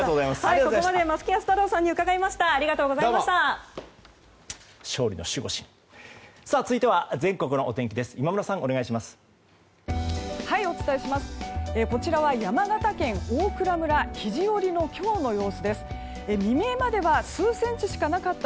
ここまで松木安太郎さんに伺いました。